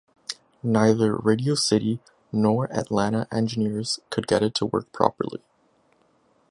Neither Radio City nor Atlanta engineers could get it to work properly.